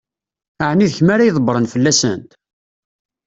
Ɛni d kemm ara ydebbṛen fell-asent?